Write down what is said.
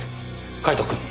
カイトくん！